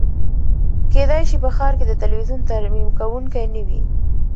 کیدای شي په ښار کې د تلویزیون ترمیم کونکی نه وي